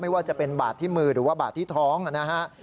ว่าจะเป็นบาดที่มือหรือว่าบาดที่ท้องนะฮะ